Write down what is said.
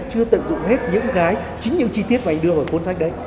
chưa tận dụng hết những cái chính những chi tiết mà anh đưa vào cuốn sách đấy